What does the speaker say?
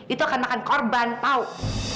itu akan makan korban paut